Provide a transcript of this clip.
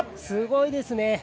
すごいですね！